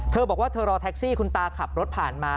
เธอบอกว่าเธอรอแท็กซี่คุณตาขับรถผ่านมา